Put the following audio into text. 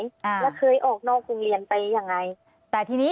และเคยออกนอกกรุงเรียนไปยังไง